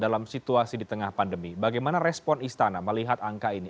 dalam situasi di tengah pandemi bagaimana respon istana melihat angka ini